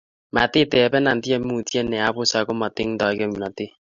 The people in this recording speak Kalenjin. Matitebena tyemutie ne apus ako matingdoi kimnatet